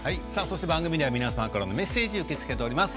番組では皆さんからのメッセージを募集しています。